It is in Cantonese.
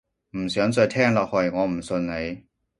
唔想再聽落去，我唔信你